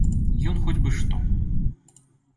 Ён хоць бы што.